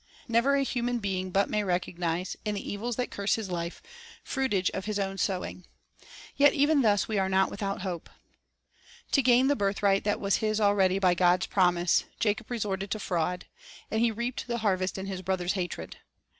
Never a human being but may recognize, in the evils that curse his life, fruitage of his own sowing. Yet even thus we are not without hope. (146) 'Prov. 26:2. 2 Isa. 3: in, 11. 8 Jer. 6:19. Bible Biographies 147 To gain the birthright that was his already by God's promise, Jacob resorted to fraud, and he reaped the harvest in his brother's hatred.